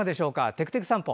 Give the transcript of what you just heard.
「てくてく散歩」